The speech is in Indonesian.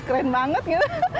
eh keren banget gitu